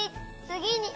「つぎに」